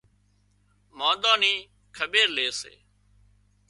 مانۮان نِي کٻير لي سي